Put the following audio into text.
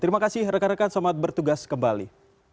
terima kasih rekan rekan selamat bertugas kembali